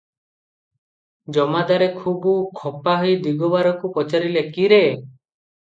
ଜମାଦାରେ ଖୁବ ଖପାହୋଇ ଦିଗବାରକୁ ପଚାରିଲେ,"କି ରେ?